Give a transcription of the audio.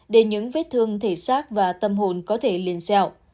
để những vết thương thể xác và tâm hồn có thể liền xẹo